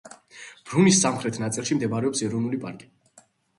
ბრუნის სამხრეთ ნაწილში მდებარეობს ეროვნული პარკი.